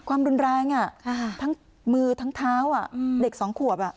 ความรุนแรงอ่ะทั้งมือทั้งเท้าอ่ะเด็ก๒ควบอ่ะ